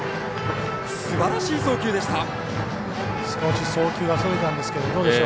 すばらしい送球でした。